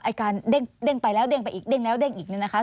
อาการเด้งไปแล้วเด้งไปอีกเด้งแล้วเด้งอีกเนี่ยนะคะ